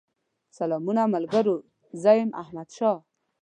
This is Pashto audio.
سلامونه ملګرو! زه يم احمدشاه